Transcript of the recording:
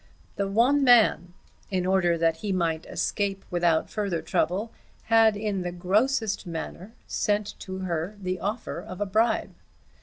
The one man, in order that he might escape without further trouble, had in the grossest manner, sent to her the offer of a bribe.